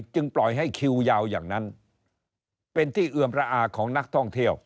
ปล่อยให้คิวยาวอย่างนั้นเป็นที่เอือมระอาของนักท่องเที่ยว